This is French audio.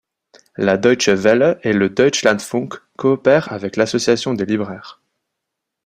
La Deutsche Welle et le Deutschlandfunk coopèrent avec l’association des libraires.